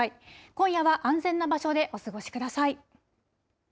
今夜は安全な場所でお過ごしください。